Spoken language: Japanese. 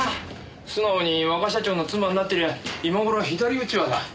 素直に若社長の妻になってりゃ今頃左うちわだ。